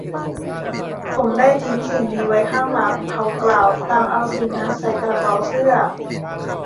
ผมได้ทิ้งสิ่งนี้ไว้ข้างหลัง เขากล่าวพลางเอาสิ่งนั้นใส่กระเป๋าเสื้อ